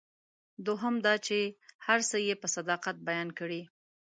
دوهم دا چې هر څه یې په صداقت بیان کړي.